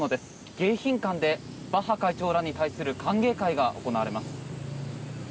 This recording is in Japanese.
迎賓館でバッハ会長らに対する歓迎会が行われます。